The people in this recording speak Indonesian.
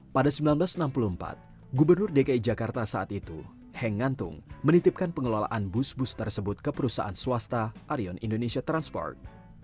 pada seribu sembilan ratus enam puluh empat gubernur dki jakarta saat itu heng ngantung menitipkan pengelolaan bus bus tersebut ke perusahaan swasta arion indonesia transport